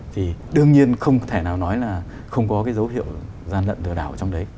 thì đương nhiên không thể nào nói là không có cái dấu hiệu gian lận lừa đảo trong đấy